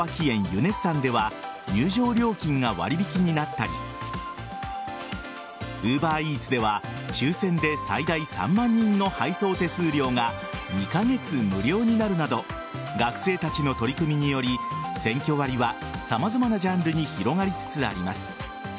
ユネッサンでは入場料金が割引になったりＵｂｅｒＥａｔｓでは抽選で最大３万人の配送手数料が２カ月無料になるなど学生たちの取り組みにより選挙割は様々なジャンルに広がりつつあります。